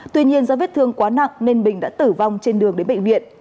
tuy nhiên do vết thương quá nặng nên bình đã tử vong trên đường đến bệnh viện